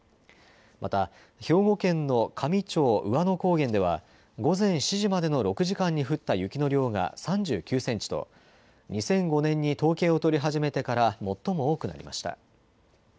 また、兵庫県の香美町兎和野高原では午前７時までの６時間に降った雪の量が３９センチと２００５年に統計を取り始めてから最も多くなりました。